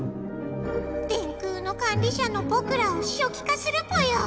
電空の管理しゃのぼくらをしょきかするぽよ。